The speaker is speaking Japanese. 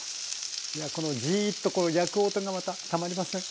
このジーッとこう焼く音がまたたまりません。